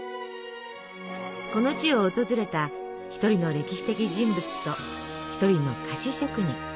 この地を訪れた一人の歴史的人物と一人の菓子職人。